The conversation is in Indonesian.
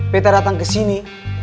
betta datang ke sini